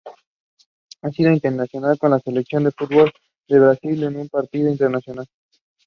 Both feature wide pit craters.